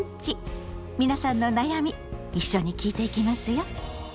皆さんの悩み一緒に聞いていきますよ。